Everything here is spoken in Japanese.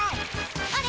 あれ？